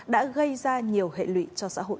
đã gây ra nhiều hệ lụy cho xã hội